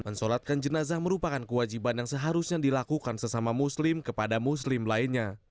mensolatkan jenazah merupakan kewajiban yang seharusnya dilakukan sesama muslim kepada muslim lainnya